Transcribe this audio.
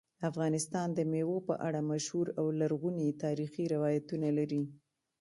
افغانستان د مېوو په اړه مشهور او لرغوني تاریخی روایتونه لري.